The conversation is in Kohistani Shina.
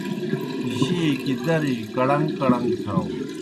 جیئے کیْ درِجیْ کڑݩگ کڑݩگ تھاؤ۔